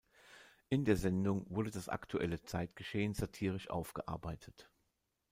In der Sendung wurde das aktuelle Zeitgeschehen satirisch aufgearbeitet.